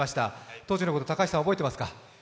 当時のことを高橋さん、覚えてますか？